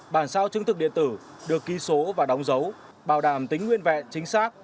bản sao chứng thực điện tử được ký số và đóng dấu bảo đảm tính nguyên vẹn chính xác